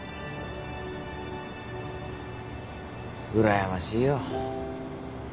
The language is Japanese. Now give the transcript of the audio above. うらやましいよ。